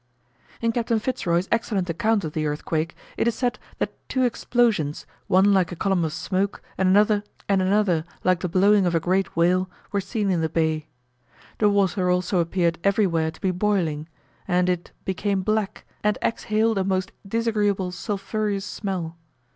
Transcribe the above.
In Captain Fitz Roy's excellent account of the earthquake, it is said that two explosions, one like a column of smoke and another like the blowing of a great whale, were seen in the bay. The water also appeared everywhere to be boiling; and it "became black, and exhaled a most disagreeable sulphureous smell."